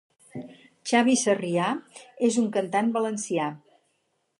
Xavi Sarrià és un cantant valencià.